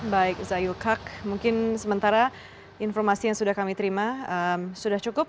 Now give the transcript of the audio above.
baik zayul kak mungkin sementara informasi yang sudah kami terima sudah cukup